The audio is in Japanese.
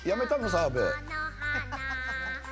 澤部。